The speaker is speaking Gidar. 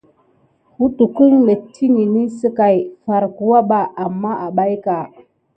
Kutuk metiŋ zikai var kuya ba ama def metikine siga ko kusva taka ne ra dagada ba.